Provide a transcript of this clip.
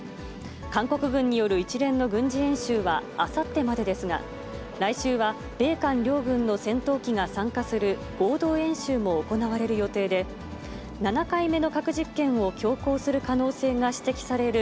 韓国軍による一連の軍事演習はあさってまでですが、来週は、米韓両軍の戦闘機が参加する合同演習も行われる予定で、７回目の核実験を強行する可能性が指摘される